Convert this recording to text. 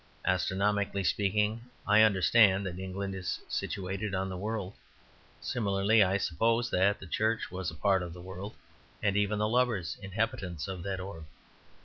Astronomically speaking, I understand that England is situated on the world; similarly, I suppose that the Church was a part of the world, and even the lovers inhabitants of that orb.